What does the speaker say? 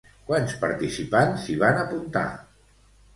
Quants participants s'hi van apuntar?